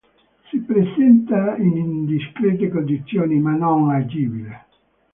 Si presenta in discrete condizioni ma non agibile.